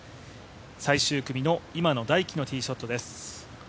最終組の今野大喜のティーショットです。